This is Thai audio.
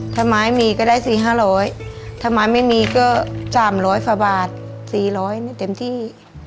ถ้าไม้มีก็ได้๔๐๐๕๐๐ถ้าไม้ไม่มีก็๓๐๐๔๐๐ฟาบาทในเต็มที่